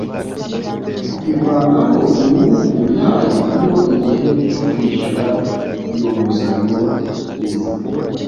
ivanaho inyungu yayo iyo igihe cyo kwishyura iyo nguzanyo kigeze.